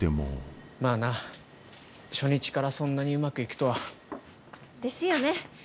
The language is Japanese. まあな初日からそんなにうまくいくとは。ですよね。